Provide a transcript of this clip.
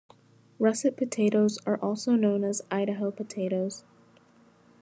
Russet potatoes are also known as Idaho potatoes.